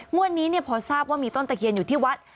วันนี้พอทราบว่ามีต้นตะเคียนอยู่ที่วัด